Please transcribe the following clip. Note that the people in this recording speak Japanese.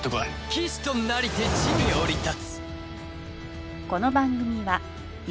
騎士となりて地に降り立つ。